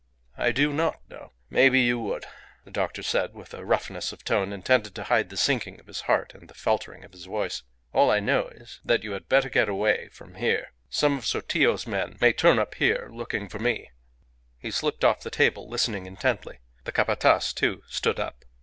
"I do not know. Maybe you would," the doctor said, with a roughness of tone intended to hide the sinking of his heart and the faltering of his voice. "All I know is, that you had better get away from here. Some of Sotillo's men may turn up here looking for me." He slipped off the table, listening intently. The Capataz, too, stood up.